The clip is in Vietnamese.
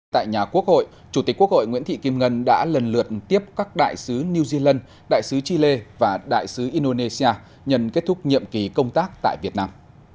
tại nhà quốc hội chủ tịch quốc hội nguyễn thị kim ngân đã lần lượt tiếp các đại sứ new zealand đại sứ chile và đại sứ indonesia nhận kết thúc nhiệm kỳ công tác tại việt nam